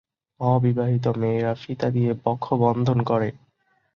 অবিবাহিত মেয়েরা ফিতা দিয়ে বক্ষ বন্ধন করে।